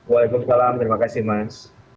wa'alaikumussalam terima kasih mas